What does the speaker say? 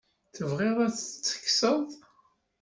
Tebɣiḍ ad t-tekkseḍ?